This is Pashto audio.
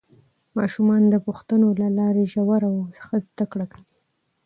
ماشومان د پوښتنو له لارې ژوره او ښه زده کړه کوي